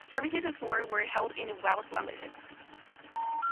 Services at Soar were held in the Welsh language.